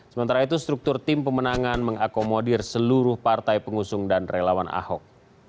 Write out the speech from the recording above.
sementara itu struktur tim pemenangan mengakomodir seluruh partai pengusung dan relawan ahok